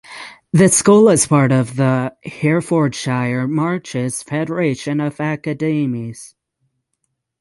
The school is part of the Herefordshire Marches Federation of Academies.